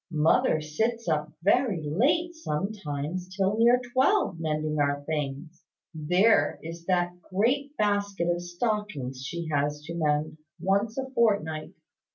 Mother sits up very late, sometimes till near twelve, mending our things. There is that great basket of stockings she has to mend, once a fortnight!